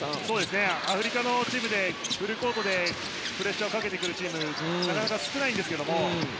アフリカのチームでフルコートでプレッシャーをかけてくるチームはなかなか少ないんですけどね。